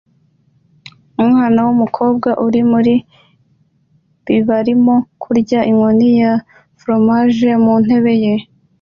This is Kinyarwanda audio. Umwana wumukobwa uri muri bib arimo kurya inkoni ya foromaje mu ntebe ye